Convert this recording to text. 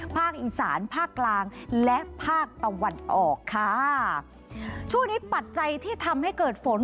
ภาคอีสานภาคกลางและภาคตะวันออกค่ะช่วงนี้ปัจจัยที่ทำให้เกิดฝน